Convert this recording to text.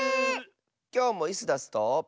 きょうもイスダスと。